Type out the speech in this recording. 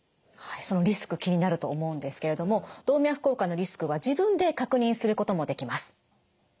はいそのリスク気になると思うんですけれども動脈硬化のリスクは自分で確認することもできます。